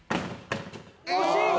惜しい！